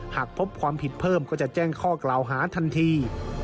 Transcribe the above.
หากพบความผิดเพิ่มก็จะแจ้งข้อกล่าวหาทันที